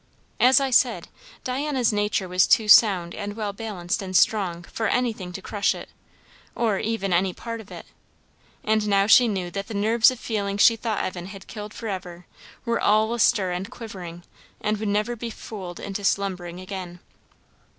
As I said, Diana's nature was too sound and well balanced and strong for anything to crush it, or even any part of it; and now she knew that the nerves of feeling she thought Evan had killed for ever, were all astir and quivering, and would never be fooled into slumbering again.